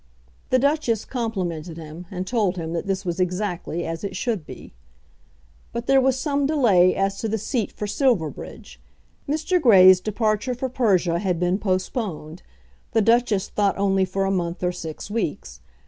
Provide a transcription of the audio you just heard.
The Duchess complimented him, and told him that this was exactly as it should be. But there was some delay as to the seat for Silverbridge. Mr. Grey's departure for Persia had been postponed, the Duchess thought only for a month or six weeks.